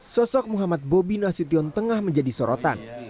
sosok muhammad bobi nasution tengah menjadi sorotan